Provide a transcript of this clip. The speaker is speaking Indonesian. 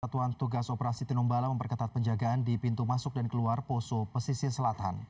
satuan tugas operasi tinombala memperketat penjagaan di pintu masuk dan keluar poso pesisir selatan